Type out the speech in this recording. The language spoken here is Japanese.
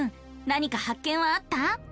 なにか発見はあった？